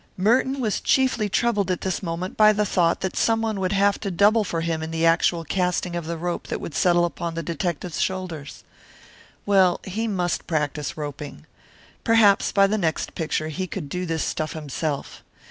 Merton was chiefly troubled at this moment by the thought that someone would have to double for him in the actual casting of the rope that would settle upon the detective's shoulders. Well, he must practise roping. Perhaps, by the next picture, he could do this stuff himself.